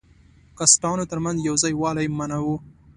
کاسټانو تر منځ یو ځای والی منع وو.